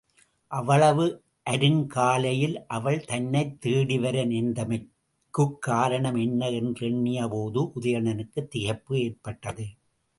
அவ்வளவு அருங்காலையில் அவள் தன்னைத் தேடிவர நேர்ந்தமைக்குக் காரணம் என்ன என்றெண்ணியபோது, உதயணனுக்குத் திகைப்பு ஏற்பட்டது.